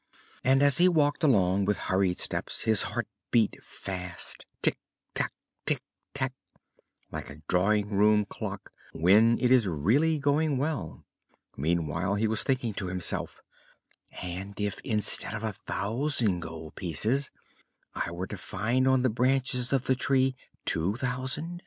And as he walked along with hurried steps his heart beat fast tic, tac, tic, tac like a drawing room clock when it is really going well. Meanwhile he was thinking to himself: "And if, instead of a thousand gold pieces, I were to find on the branches of the tree two thousand?